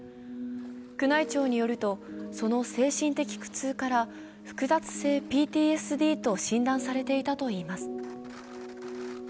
宮内庁によると、その精神的苦痛から複雑性ＰＴＳＤと診断されていたといいます。